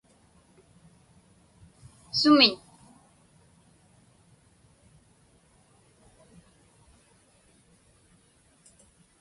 Sumiñ?